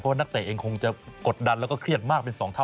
เพราะว่านักเตะเองคงจะกดดันแล้วก็เครียดมากเป็นสองเท่า